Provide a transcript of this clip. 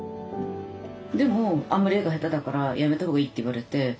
でもあんまり絵が下手だからやめたほうがいいって言われて。